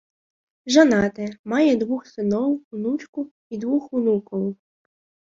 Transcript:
Жанаты, мае двух сыноў, унучку і двух унукаў.